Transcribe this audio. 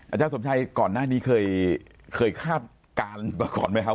อาจารย์สมชัยก่อนหน้านี้เคยคาดการณ์มาก่อนไหมครับ